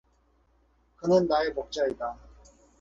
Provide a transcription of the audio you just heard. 그는 나의 목자이다.